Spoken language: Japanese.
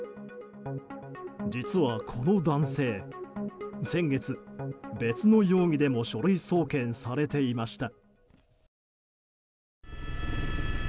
実はこの男性先月、別の容疑でも書類送検されていました。